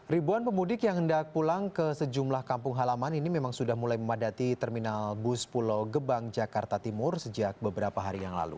ribuan pemudik yang hendak pulang ke sejumlah kampung halaman ini memang sudah mulai memadati terminal bus pulau gebang jakarta timur sejak beberapa hari yang lalu